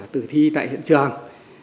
tử thi tại hiện trường